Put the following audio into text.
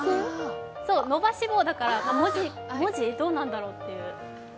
伸ばし棒だから文字どうなんだろうっていう。